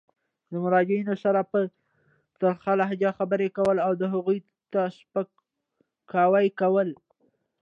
د مراجعینو سره په ترخه لهجه خبري کول او هغوی ته سپکاوی کول.